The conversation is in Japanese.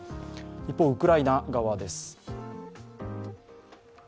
一方、ウクライナ側です。